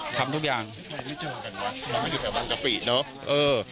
ทางไปทุกที่